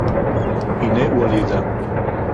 הִנֵּה הוּא עַל־יָדָהּ